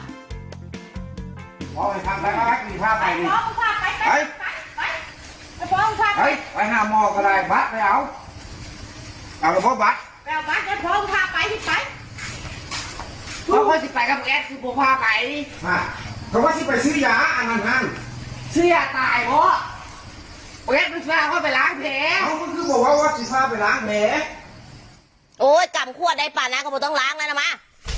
ผมก็จะตายเพราะ